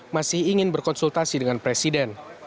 masih ingin berkonsultasi dengan presiden